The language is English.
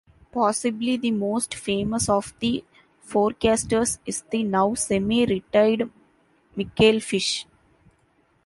Possibly the most famous of the forecasters is the now semi-retired Michael Fish.